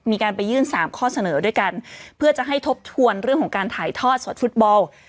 มีการไปยื่นสามข้อเสนอด้วยกันเพื่อจะให้ทบทวนเรื่องของการถ่ายทอดสดฟุตบอล